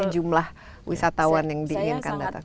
jumlah wisatawan yang diinginkan datang